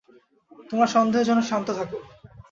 তোমরা সন্দেহজনক শান্ত থাকো!